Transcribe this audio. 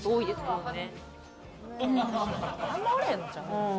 あんまおらへんのちゃう？